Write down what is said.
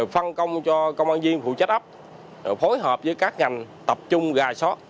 phân công cho công an viên phụ trách ấp phối hợp với các ngành tập trung gài sót